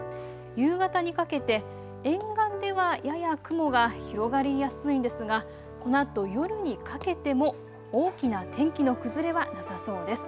夕方にかけて沿岸ではやや雲が広がりやすいんですがこのあと夜にかけても大きな天気の崩れはなさそうです。